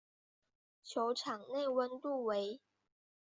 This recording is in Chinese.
球场内温度为。